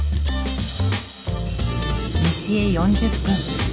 西へ４０分。